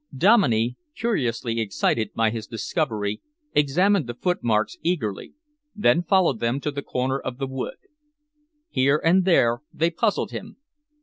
Dominey, curiously excited by his discovery, examined the footmarks eagerly, then followed them to the corner of the wood. Here and there they puzzled him.